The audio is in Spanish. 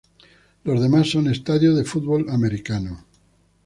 Los demás son estadios de fútbol americano.